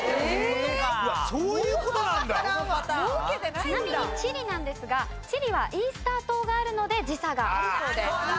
ちなみにチリなんですがチリはイースター島があるので時差があるそうです。